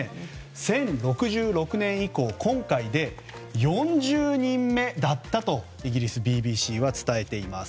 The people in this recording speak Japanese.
１０６６年以降、今回で４０人目だったとイギリスＢＢＣは伝えています。